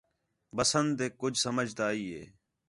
بستیک کُج سمجھ تے آئی